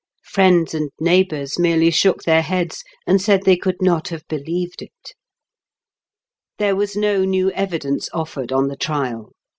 Friends and neighbours merely shook their heads, and said they could not have believed it. There was no new evidence offered on the trial.